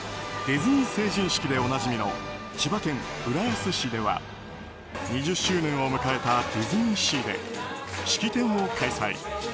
ディズニー成人式でおなじみの千葉県浦安市では２０周年を迎えたディズニーシーで式典を開催。